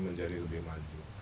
menjadi lebih maju